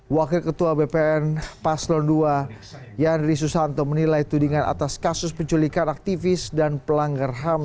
wakil ketua bpn paslon dua yandri susanto menilai tudingan atas kasus penculikan aktivis dan pelanggar ham